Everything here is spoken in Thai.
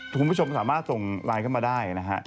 คุณผู้ชมสามารถส่งไลน์เข้ามาได้นะฮะ